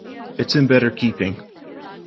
It's in better keeping.